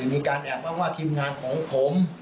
มีการแอบมาว่าทีมงานของผม